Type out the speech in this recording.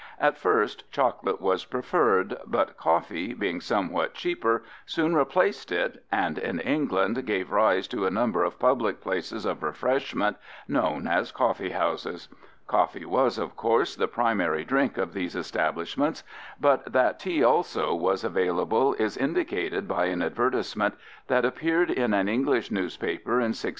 At first chocolate was preferred, but coffee, being somewhat cheaper, soon replaced it and in England gave rise to a number of public places of refreshment known as coffee houses. Coffee was, of course, the primary drink of these establishments, but that tea also was available is indicated by an advertisement that appeared in an English newspaper in 1658.